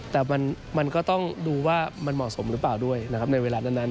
แต่มันก็ต้องดูว่ามันเหมาะสมหรือเปล่าด้วยนะครับในเวลานั้น